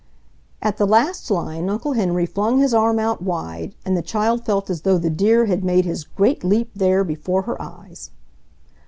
At the last line Uncle Henry flung his arm out wide, and the child felt as though the deer had made his great leap there, before her eyes.